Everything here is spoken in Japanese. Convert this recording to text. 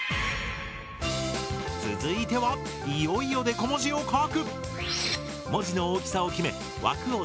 続いてはいよいよデコ文字を書く。